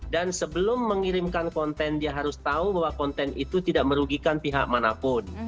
dan sebelum mengirimkan konten dia harus tahu bahwa konten itu tidak merugikan pihak manapun